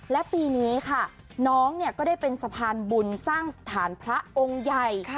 และปีนี้ค่ะน้องก็ได้เป็นสะพานบุญสร้างสถานพระองค์ใหญ่